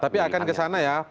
tapi akan kesana ya